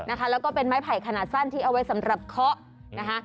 แล้วก็เป็นไม้ไผ่ขนาดสั้นที่เอาไว้สำหรับเคาะนะคะ